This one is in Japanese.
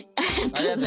ありがとね。